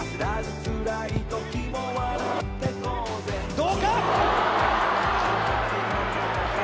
どうか？